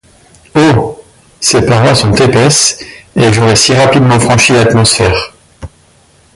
Oh! ses parois sont épaisses, et j’aurai si rapidement franchi l’atmosphère !